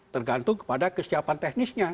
tergantung pada kesiapan teknisnya